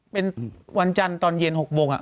เป็นวันจันทร์ตอนเย็น๖โมง